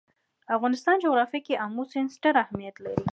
د افغانستان جغرافیه کې آمو سیند ستر اهمیت لري.